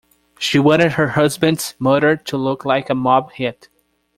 She wanted her husband's murder to look like a mob hit.